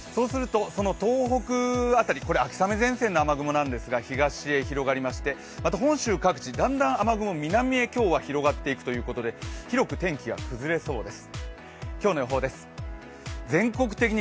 東北辺り、秋雨前線の雨雲なんですが東へ広がりまして、また本州各地だんだん南へ広がっていくということで広く天気が崩れそうです。